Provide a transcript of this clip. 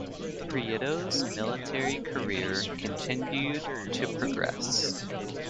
Prieto's military career continued to progress.